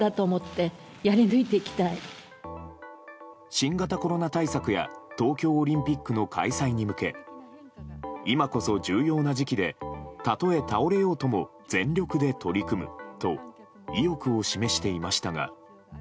新型コロナ対策や東京オリンピックの開催に向け今こそ重要な時期でたとえ倒れようとも全力で取り組むと意欲を示していましたが。